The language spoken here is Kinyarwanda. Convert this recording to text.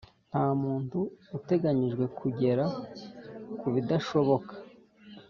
ntamuntu uteganijwe kugera kubidashoboka